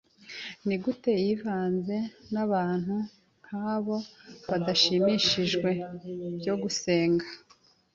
Nigute yivanze nabantu nkabo badashimishije? byukusenge